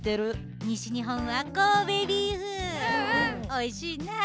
おいしいなあ。